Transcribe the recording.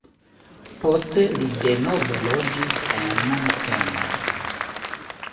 Poste li denove loĝis en Munkeno.